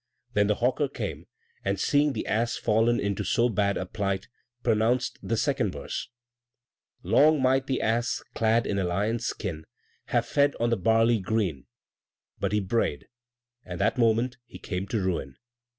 Then the hawker came; and seeing the ass fallen into so bad a plight, pronounced the Second Verse: "Long might the ass, Clad in a lion's skin, Have fed on the barley green. But he brayed! And that moment he came to ruin."